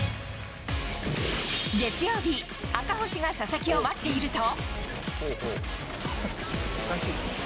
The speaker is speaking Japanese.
月曜日、赤星が佐々木を待っていると。